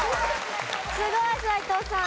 すごい斎藤さん。